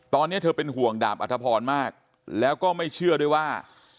ตอนนี้เธอเป็นห่วงดาบอัธพรมากแล้วก็ไม่เชื่อด้วยว่า